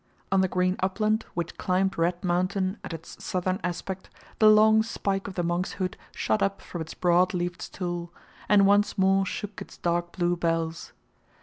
On the green upland which climbed Red Mountain at its southern aspect the long spike of the monkshood shot up from its broad leaved stool, and once more shook its dark blue bells.